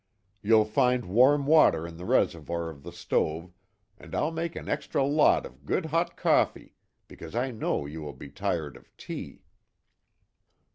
You'll find warm water in the reservoir of the stove, and I'll make an extra lot of good hot coffee, because I know you will be tired of tea."